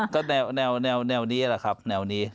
ก็แนวนี้แหละครับแนวนี้